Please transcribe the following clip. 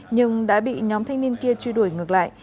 nhưng đã bị nhóm thanh niên kia truy đuổi ngược lại